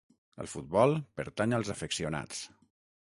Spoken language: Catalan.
El futbol pertany als afeccionats.